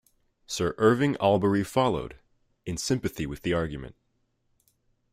Sir Irving Albery followed, in sympathy with the argument.